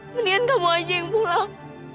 mendingan kamu aja yang pulang